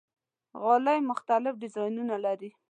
غالۍ مختلف ډیزاینونه لري.